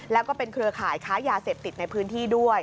แล้วก็เป็นเครือข่ายค้ายาเสพติดในพื้นที่ด้วย